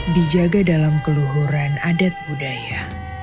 dijaga dalam keluhuran adat budaya